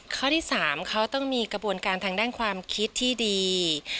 ข้อที่๓เขาต้องมีกระบวนการทางด้านความคิดที่ดี